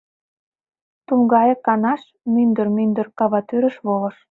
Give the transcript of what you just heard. Тулгайык канаш Мӱндыр-мӱндыр каватӱрыш волыш.